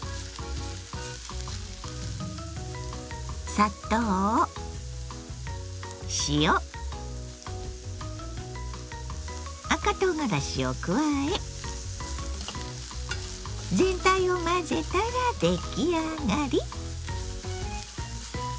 砂糖塩赤とうがらしを加え全体を混ぜたら出来上がり。